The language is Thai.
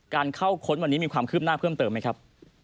การเข้าค้นวันนี้มีความคืบหน้าเพิ่มเติมไหมครับ